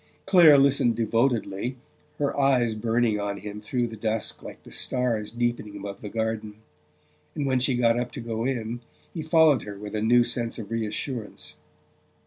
Clare listened devoutly, her eyes burning on him through the dusk like the stars deepening above the garden; and when she got up to go in he followed her with a new sense of reassurance.